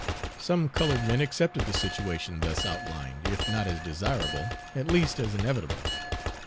Some colored men accepted the situation thus outlined, if not as desirable, at least as inevitable.